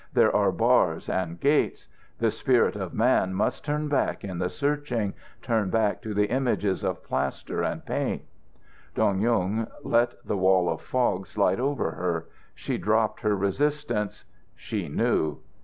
There are bars and gates. The spirit of man must turn back in the searching, turn back to the images of plaster and paint." Dong Yung let the wall of fog slide over her. She dropped her resistance. She knew.